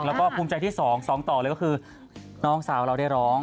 แล้วก็ภูมิใจที่สองสองต่อเลยก็คือน้องสาวเราได้ร้อง